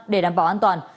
để đảm bảo an toàn